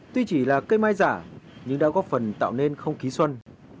tuy chỉ là cây mai giả nhưng đã góp phần tạo nên không khí xuân